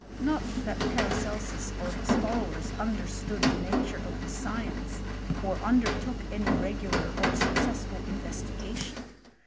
Not that Paracelsus or his followers stood the nature of the science, or undertfl regular or successful investigation.